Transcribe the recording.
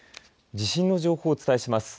地震の情報をお伝えします。